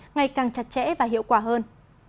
ngày càng chặt chẽ và hiệu quả hơn